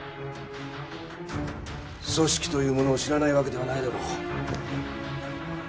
組織というものを知らないわけではないだろう。